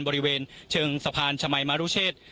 บริเวณเชิงสะพานชมัยมรุเชษ